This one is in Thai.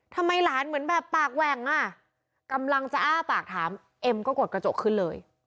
ทำไมหลานเหมือนแบบปากแหว่งอ่ะกำลังจะอ้าปากถามเอ็มก็กดกระจกขึ้นเลย